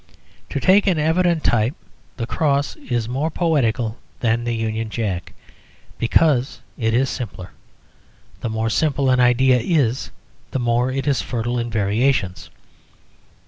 To take an evident type, the Cross is more poetical than the Union Jack, because it is simpler. The more simple an idea is, the more it is fertile in variations.